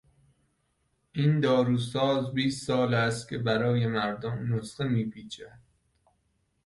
این داروساز بیست سال است که برای مردم نسخه میپیچد.